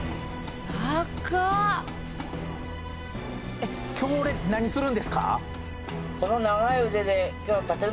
えっ今日俺何するんですか？